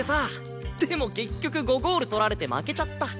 でも結局５ゴール取られて負けちゃった。